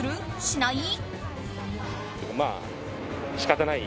しない？